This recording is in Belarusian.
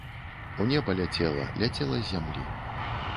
У неба ляцела, ляцела з зямлі.